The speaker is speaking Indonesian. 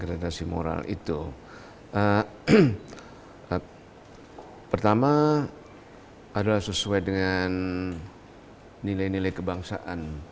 adalah sesuai dengan nilai nilai kebangsaan